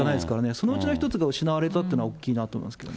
そのうちの一つが失われたっていうのは大きいなと思いますけどね。